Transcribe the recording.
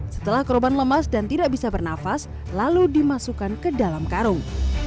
setelah korban lemas dan tidak bisa bernafas lalu dimasukkan ke dalam karung